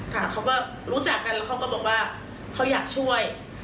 เขาก็รู้จักกันแล้วเขาก็บอกว่าเขาอยากช่วย